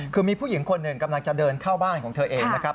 คือมีผู้หญิงคนหนึ่งกำลังจะเดินเข้าบ้านของเธอเองนะครับ